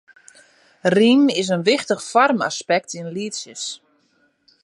Rym is in wichtich foarmaspekt yn lietsjes.